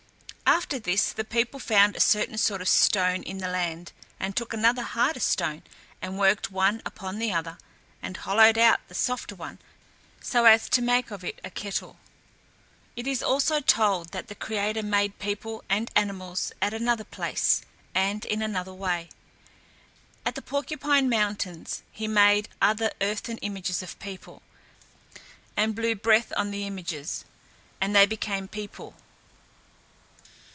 After this the people found a certain sort of stone in the land, and took another harder stone, and worked one upon the other and hollowed out the softer one, so as to make of it a kettle. It is told also that the creator made people and animals at another place, and in another way. At the Porcupine Mountains he made other earthen images of people, and blew breath on the images, and they became people.